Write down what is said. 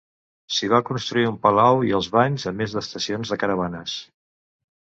S'hi va construir un palau i uns banys a més d'estacions de caravanes.